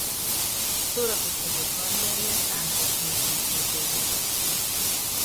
Szórakoztató karrierje táncosnőként kezdődött.